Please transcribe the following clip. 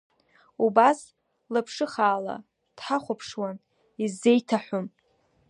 Убас лаԥшыхаала дҳахәаԥшуан, исзеиҭаҳәом.